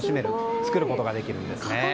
作ることができるんですね。